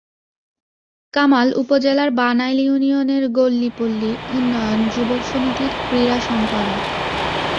কামাল উপজেলার বানাইল ইউনিয়নের গল্লি পল্লি উন্নয়ন যুবক সমিতির ক্রীড়া সম্পাদক।